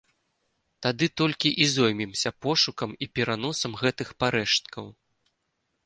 Тады толькі і зоймемся пошукам і пераносам гэтых парэшткаў.